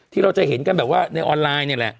ที่เราจะเห็นกันแบบว่าในออนไลน์นี่แหละ